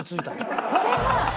これは。